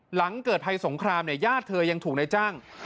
หลังเกิดภัยสงครามเนี่ยญาติเธอยังถูกในจ้าง